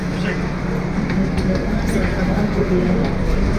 utekereza ko ugomba kugenda